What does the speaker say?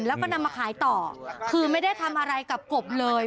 แล้วก็นำมาขายต่อคือไม่ได้ทำอะไรกับกบเลย